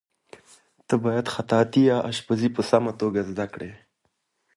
ته باید خیاطي یا اشپزي په سمه توګه زده کړې.